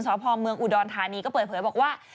สพเมืองอุดรธานีก็เปิดเผยบอกว่า